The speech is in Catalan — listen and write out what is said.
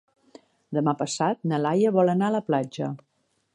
Demà passat na Laia vol anar a la platja.